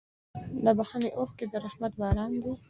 د بښنې اوښکې د رحمت باران دی.